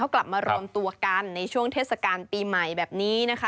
กลับมารวมตัวกันในช่วงเทศกาลปีใหม่แบบนี้นะคะ